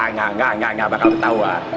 nggak nggak nggak nggak bakal ketahuan